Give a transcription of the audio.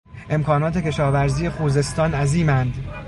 امکانات کشاورزی خوزستان عظیماند.